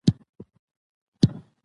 په افغانستان کې جنسيتي برابري نشته